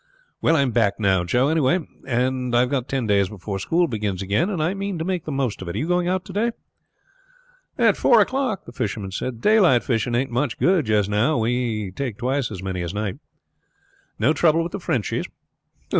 "Well, I am back now, Joe, anyhow; and I have got ten days before school begins again, and I mean to make the most of it. Are you going out to day?" "At four o'clock," the fisherman said. "Daylight fishing ain't much good just now; we take twice as many at night." "No trouble with the Frenchies?"